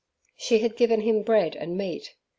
She had given him bread and meat.